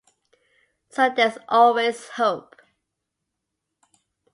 So there's always hope.